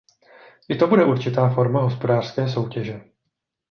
I to bude určitá forma hospodářská soutěže.